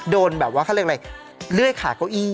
โดนเขาเรียกว่าเรื่อยขาเก้าอี